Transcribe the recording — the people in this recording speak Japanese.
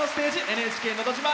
「ＮＨＫのど自慢」